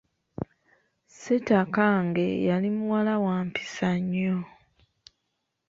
Sitakange yali muwala wa mpisa nnyo.